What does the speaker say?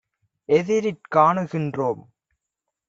எதிரிற் காணுகின்றோம்